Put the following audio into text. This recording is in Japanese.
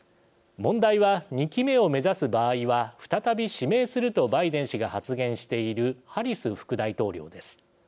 問題は、２期目を目指す場合は再び指名するとバイデン氏が発言しているハリス副大統領です。